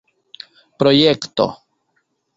projekto